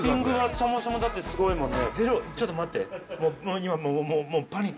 そもそもだってすごいもんね。